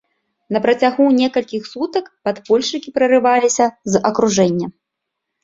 На працягу некалькіх сутак падпольшчыкі прарываліся з акружэння.